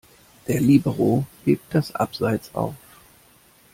Der Libero hebt das Abseits auf.